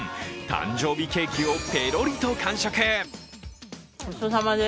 誕生日ケーキをぺろりと完食。